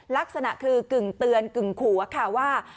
ลักษณะคือกึ่งเตือนกึ่งขัวค่ะว่า